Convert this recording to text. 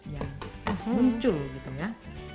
ya muncul gitu ya